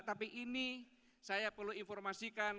tapi ini saya perlu informasikan